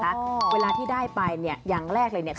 อย่างแรกเลยก็คือการทำบุญเกี่ยวกับเรื่องของพวกการเงินโชคลาภ